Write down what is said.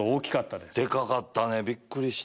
でかかったねびっくりした。